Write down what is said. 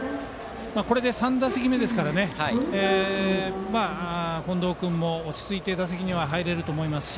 これで３打席目ですから近藤君も落ち着いて打席に入れると思いますし。